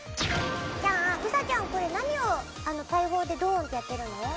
うさちゃんこれ何を大砲でドーンってやってるの？